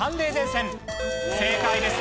正解です。